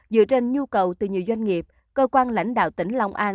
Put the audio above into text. dựa trên nhu cầu từ nhiều doanh nghiệp cơ quan lãnh đạo tỉnh long an